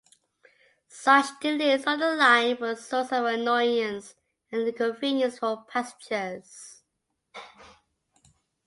Such delays on the line were a source of annoyance and inconvenience for passengers.